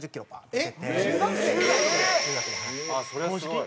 えっ！